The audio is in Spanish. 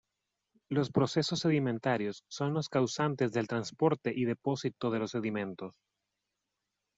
Los procesos sedimentarios son los causantes del transporte y depósito de los sedimentos.